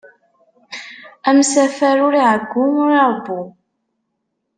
Amsafer ur iɛeggu, ur iṛebbu.